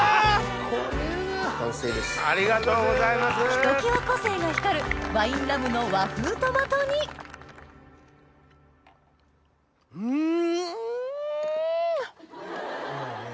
ひときわ個性が光るワインラムの和風トマト煮うん！